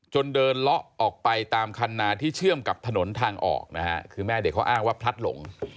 เดินเลาะออกไปตามคันนาที่เชื่อมกับถนนทางออกนะฮะคือแม่เด็กเขาอ้างว่าพลัดหลง